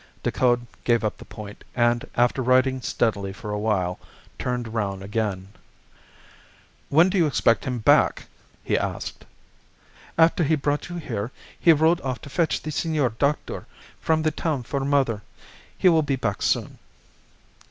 Decoud gave up the point, and after writing steadily for a while turned round again. "When do you expect him back?" he asked. "After he brought you here he rode off to fetch the Senor Doctor from the town for mother. He will be back soon."